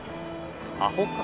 アホか。